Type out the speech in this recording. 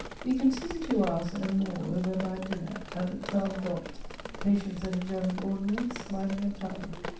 We consumed two hours and more over a bad dinner, at the table d'hote. "Patience at a German ordinary, smiling at time."